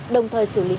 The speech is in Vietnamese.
đồng thời xử lý